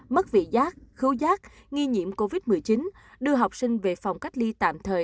mất vị giác khứu giác nghi nhiễm covid một mươi chín đưa học sinh về phòng cách ly tạm thời